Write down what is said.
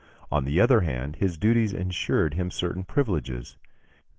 On the other hand, his duties ensured him certain privileges.